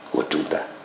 của chúng ta